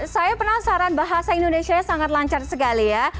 saya penasaran bahasa indonesia sangat lancar sekali ya